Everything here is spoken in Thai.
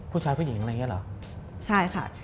ผู้หญิงอะไรอย่างนี้เหรอใช่ค่ะ